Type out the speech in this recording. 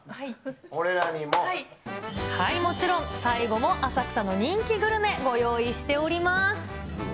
もちろん、最後も浅草の人気グルメ、ご用意しております。